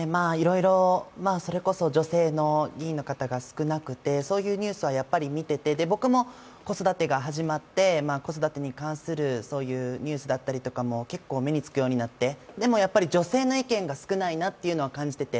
それこそ女性の議員の方が少なくてそういうニュースは見てて僕も子育てが始まって子育てに関するニュースだったりも目につくようになってでもやっぱり女性の意見が少ないなっていうのは感じてて。